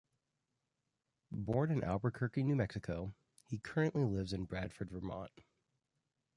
Born in Albuquerque, New Mexico, he currently lives in Bradford, Vermont.